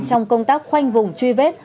trong công tác khoanh vùng truy vết